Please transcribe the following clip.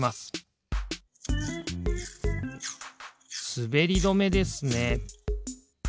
すべりどめですね。